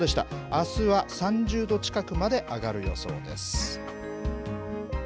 あすは３０度近くまで上がる予想です。